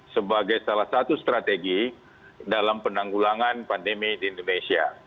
sebagai salah satu strategi dalam penanggulangan pandemi di indonesia